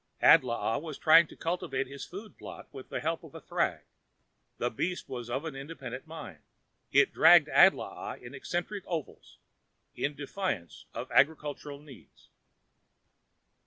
Adlaa was trying to cultivate his food plot with the help of a thrag. The beast was of independent mind. It dragged Adlaa in eccentric ovals, in defiance of agricultural needs.